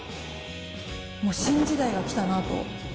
もう、新時代が来たなと。